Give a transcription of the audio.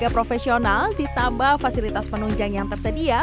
tiga profesional ditambah fasilitas penunjang yang tersedia